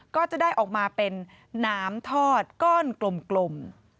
ก็จะได้ออกมาเป็นน้ำทอดก้อนกลม